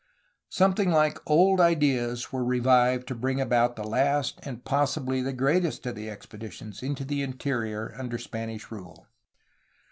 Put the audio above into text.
Something like old ideas were revived to bring about the last and possibly the greatest of the expeditions into the interior under Spanish rule.